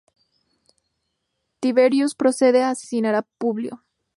Tiberius procede a asesinar a Publio.